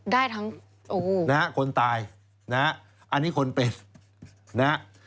ได้ทั้งคนตายอันนี้คนเป็น